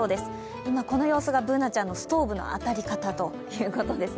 今、この様子がＢｏｏｎａちゃんのストーブの当たり方ということですね。